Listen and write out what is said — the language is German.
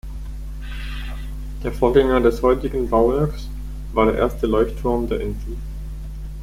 Der Vorgänger des heutiges Bauwerks war der erste Leuchtturm der Insel.